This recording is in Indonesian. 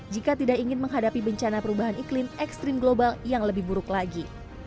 jika tidak ingin menghadapi bencana perubahan iklim ekstrim global yang lebih buruk lagi